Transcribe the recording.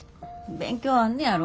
勉強あんねやろ。